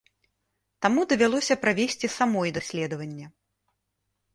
Таму давялося правесці самой даследаванне.